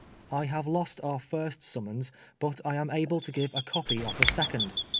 I have lost our first summons, but I am able to give a copy of the second.